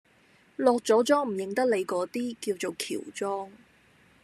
落咗妝唔認得你嗰啲，叫做喬裝